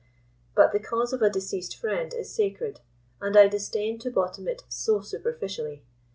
But the cause of a deceased friend is sacred; and I disdain to bottom it so superficially.